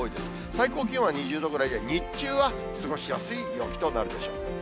最高気温は２０度ぐらいで、日中は過ごしやすい陽気となるでしょう。